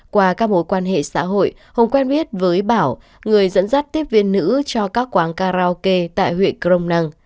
qua các mối quan hệ xã hội hùng quen biết với bảo người dẫn dắt tiếp viên nữ cho các quán karaoke tại huyện crong năng